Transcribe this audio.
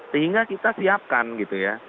sehingga kita siapkan gitu ya